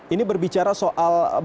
ini berbicara soal masalah